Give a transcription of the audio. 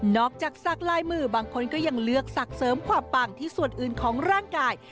อกจากสักลายมือบางคนก็ยังเลือกศักดิ์เสริมความปังที่ส่วนอื่นของร่างกาย